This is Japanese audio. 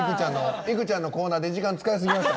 いくちゃんのコーナーで時間使いすぎました。